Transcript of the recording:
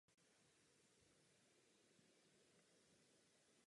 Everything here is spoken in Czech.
Kostelní zvony byly dvakrát zrekvírovány.